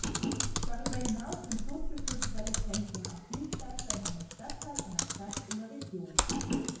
Darüber hinaus sind Soziokulturelle Zentren auch „Dienstleister“ in einem Stadtteil, einer Stadt oder Region.